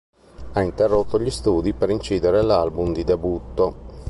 Ha interrotto gli studi per incidere l'album di debutto.